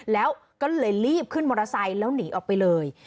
แล้วก็เลยรีบขึ้นมอเตอร์ไซค์แล้วหนีออกไปเลย